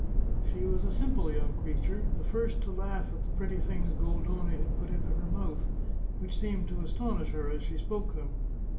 She was a simple young creature, the first to laugh at the pretty things Goldoni had put into her mouth, which seemed to astonish her as she spoke them.